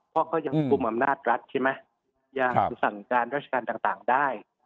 เพราะเขายังคุมอำนาจรัฐใช่ไหมยังสั่งการราชการต่างได้